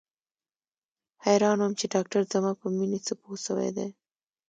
حيران وم چې ډاکتر زما په مينې څه پوه سوى دى.